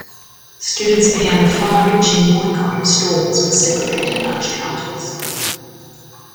Students began a far-reaching boycott of stores with segregated lunch counters.